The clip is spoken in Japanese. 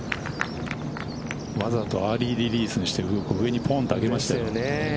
わざとアーリーリリースにして上にぽんと上げましたよね。